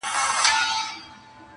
د اوبو زور یې په ژوند نه وو لیدلی -